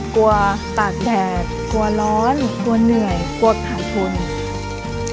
กลัวสดแก่กลัวร้อนกลัวเหนื่อยกลัวหาธุรกิจ